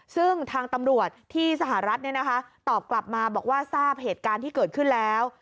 ซึ่งทางตำรวจที่สหรัฐตอบกลับมาบอกว่าทราบเหตุการณ์ที่เกิดขึ้นแล้ว